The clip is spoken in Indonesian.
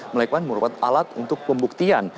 melainkan merupakan alat untuk pembuktian